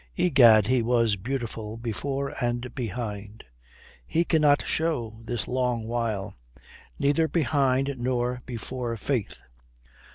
Egad, he was beautiful before and behind. He cannot show this long while. Neither behind nor before, faith.